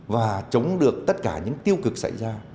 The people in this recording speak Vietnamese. và chống được tất cả những tiêu cực xảy ra